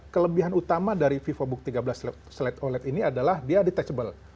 kelebihan utama dari vivobook tiga belas slide oled ini adalah dia detachable